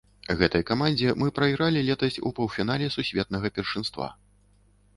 Гэтай камандзе мы прайгралі летась у паўфінале сусветнага першынства.